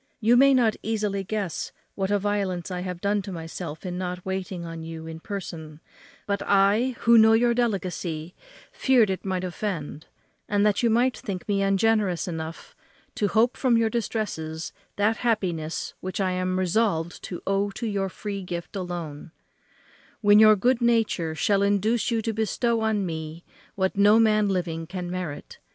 You may easily guess what a violence I have done to myself in not waiting on you in person; but I, who know your delicacy, feared it might offend, and that you might think me ungenerous enough to hope from your distresses that happiness which I am resolved to owe to your free gift alone, when your good nature shall induce you to bestow on me what no man living can merit.